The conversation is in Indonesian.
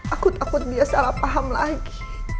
aku takut dia salah paham lagi